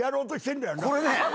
これね。